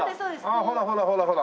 ああほらほらほらほら。